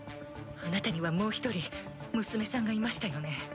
あなたにはもう一人娘さんがいましたよね？